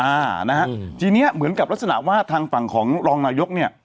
อ่านะฮะทีเนี้ยเหมือนกับลักษณะว่าทางฝั่งของรองนายกเนี่ย